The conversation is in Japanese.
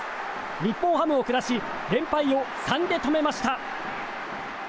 日本ハムを下し連敗を３で止めました。